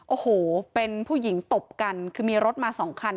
โอ้โหเป็นผู้หญิงตบกันคือมีรถมาสองคัน